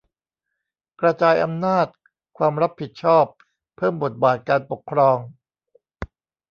กระจายอำนาจ ความรับผิดชอบ เพิ่มบทบาทการปกครอง